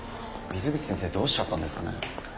水口先生どうしちゃったんですかね。